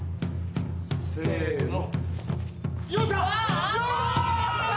せの。